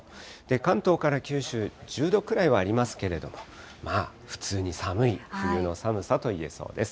関東から九州、１０度くらいはありますけれども、普通に寒い、冬の寒さといえそうです。